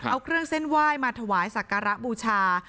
เอาเครื่องเส้นไหว้มาถวายสักการะบูชา